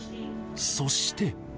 そして。